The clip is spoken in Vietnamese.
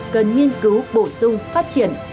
cần nghiên cứu và tìm hiểu về những bài học kinh nghiệm quý báu